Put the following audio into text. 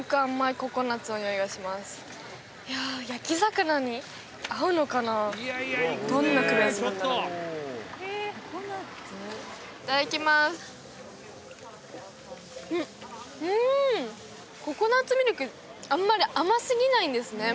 ココナッツミルクあんまり甘すぎないんですね